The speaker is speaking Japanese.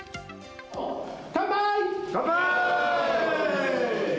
乾杯。